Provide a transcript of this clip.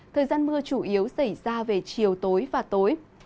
thời gian mưa chủ yếu xảy ra về chiều tối và tối